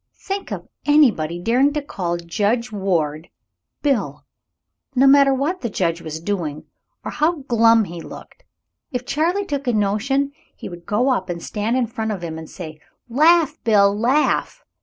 Think of anybody daring to call Judge Ward, Bill! No matter what the judge was doing, or how glum he looked, if Charley took a notion, he would go up and stand in front of him, and say, 'Laugh, Bill, laugh!'